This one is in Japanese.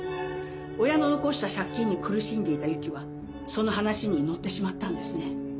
親の残した借金に苦しんでいたゆきはその話にのってしまったんですね。